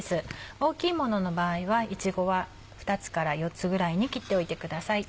大きいものの場合はいちごは２つから４つぐらいに切っておいてください。